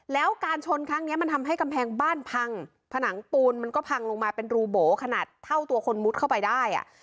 แล้วการชนครั้งนี้มันทำให้กำแพงบ้านพังผนังปูนมันก็พังลงมาเป็นรูโบขนาดเท่าตัวคนมุดเข้าไปได้อ่ะ